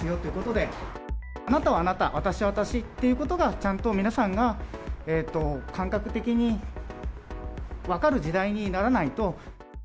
あなたはあなた、私は私ということが、ちゃんと皆さんが感覚的に分かる時代にならないと。